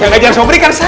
yang ngajar sobri kan saya